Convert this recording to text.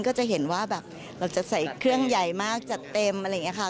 ก็จะเห็นว่าแบบเราจะใส่เครื่องใหญ่มากจัดเต็มอะไรอย่างนี้ค่ะ